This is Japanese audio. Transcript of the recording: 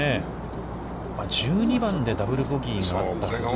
１２番でダブル・ボギーがあったと。